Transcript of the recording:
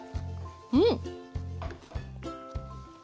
うん！